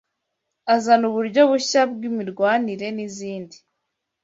azana uburyo bushya bw’imirwanire n’izindi